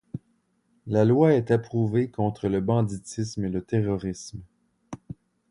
La loi est approuvée contre le banditisme et le terrorisme.